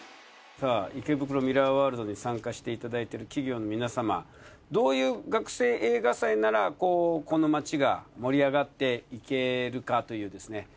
さあ池袋ミラーワールドに参加していただいてる企業の皆様どういう学生映画祭ならこの街が盛り上がっていけるかというですね